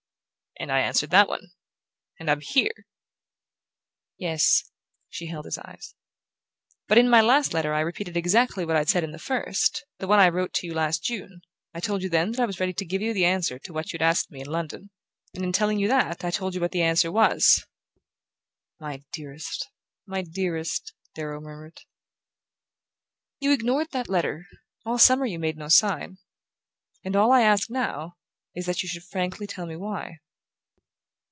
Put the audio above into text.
"And I answered that one; and I'm here." "Yes." She held his eyes. "But in my last letter I repeated exactly what I'd said in the first the one I wrote you last June. I told you then that I was ready to give you the answer to what you'd asked me in London; and in telling you that, I told you what the answer was." "My dearest! My dearest!" Darrow murmured. "You ignored that letter. All summer you made no sign. And all I ask now is, that you should frankly tell me why."